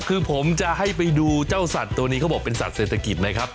คือผมจะให้ไปดูเจ้าสัตว์ตัวนี้เขาบอกเป็นสัตว์เศรษฐกิจไหมครับ